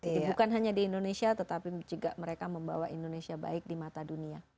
jadi bukan hanya di indonesia tetapi juga mereka membawa indonesia baik di mata dunia